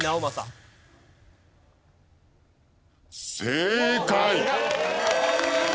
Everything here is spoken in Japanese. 正解！